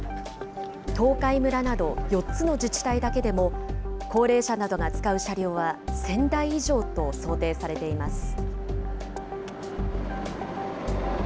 東海村など４つの自治体だけでも、高齢者などが使う車両は１０００台以上と想定されています。